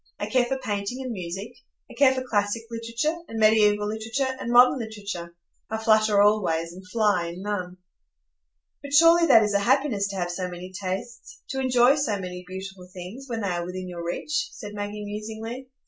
I care for painting and music; I care for classic literature, and mediæval literature, and modern literature; I flutter all ways, and fly in none." "But surely that is a happiness to have so many tastes,—to enjoy so many beautiful things, when they are within your reach," said Maggie, musingly.